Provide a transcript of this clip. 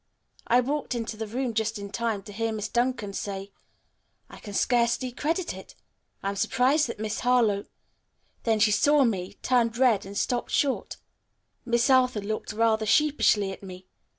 I walked into the room just in time to hear Miss Duncan say 'I can scarcely credit it. I am surprised that Miss Harlowe ' then she saw me, turned red and stopped short. Miss Arthur looked rather sheepishly at me.